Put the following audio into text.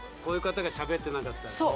こういう方がしゃべってなかったら。